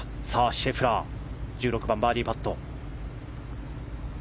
シェフラー１６番、バーディーパット。